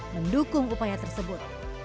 mendukung upaya tersebut